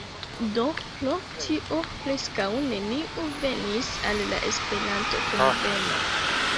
Do, pro tio preskaŭ neniu venis al la Esperanto-kunveno